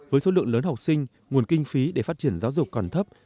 với số lượng lớn học sinh nguồn kinh phí để phát triển giáo dục còn thấp